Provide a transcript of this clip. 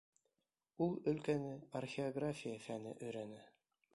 Ул өлкәне археография фәне өйрәнә.